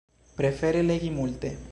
Prefere legi multe.